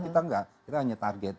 kita tidak hanya target